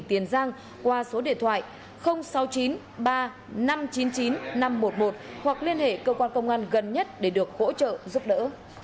tiền giang qua số điện thoại sáu chín ba năm chín chín năm một một hoặc liên hệ cơ quan công an gần nhất để được hỗ trợ giúp đỡ